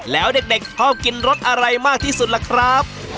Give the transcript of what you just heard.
แล้วเด็กชอบกินรสอะไรมากที่สุดล่ะครับ